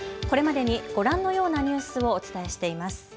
これまでにご覧のようなニュースをお伝えしています。